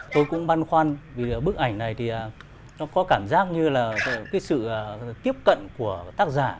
tôi cũng băn khoăn vì bức ảnh này thì nó có cảm giác như là cái sự tiếp cận của tác giả